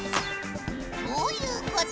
そういうこと。